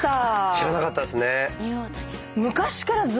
知らなかったですね。